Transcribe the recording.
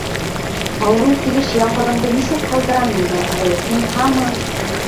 — Ауырыу килеш яңғыҙыңды нисек ҡалдырам инде, әсәй. һин һаман...